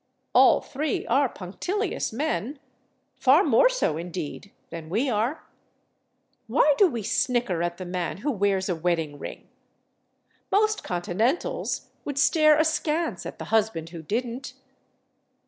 All three are punctilious men—far more so, indeed, than we are. Why do we snicker at the man who wears a wedding ring? Most Continentals would stare askance at the husband who didn't.